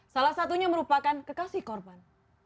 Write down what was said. salah satunya merupakan kekasih korban